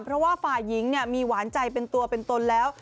เพราะว่าฝ่ายหญิงมีหวานใจเป็นตัวเป็นตนแล้ว